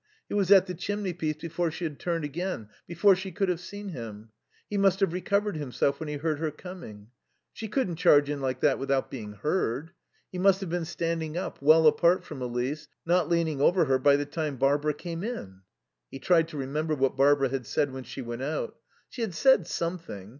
He was at the chimneypiece before she had turned again, before she could have seen him. He must have recovered himself when he heard her coming. She couldn't charge in like that without being heard. He must have been standing up, well apart from Elise, not leaning over her by the time Barbara came in. He tried to remember what Barbara had said when she went out. She had said something.